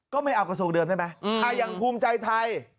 ไม่เอากระทรวงเดิมได้ไหมอย่างภูมิใจไทย